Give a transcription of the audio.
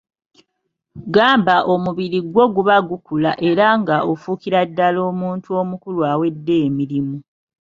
Gamba omubiri gwo guba gukula era ng'ofuukira ddala omuntu omukulu awedde emirimu.